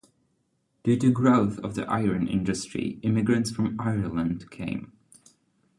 Due to growth of the Iron Industry, immigrants from Ireland came.